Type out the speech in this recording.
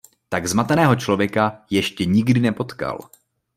Tak zmateného člověka ještě nikdy nepotkal.